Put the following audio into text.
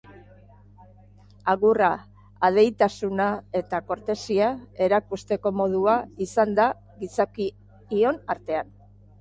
Agurra, adeitasuna eta kortesia erakusteko modua izan da gizakion artean.